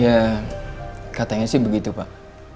ya katanya sih begitu pak